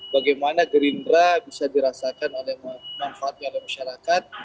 bagaimana gerindra bisa dirasakan oleh manfaatnya oleh masyarakat